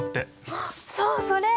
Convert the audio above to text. あっそうそれ！